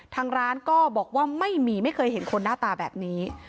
ทางร้านก็บอกว่าไม่มีไม่เคยเห็นคนหน้าตาแบบนี้